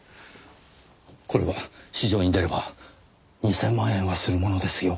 これは市場に出れば２０００万円はするものですよ。